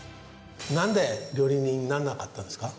なんで料理人になんなかったんですか？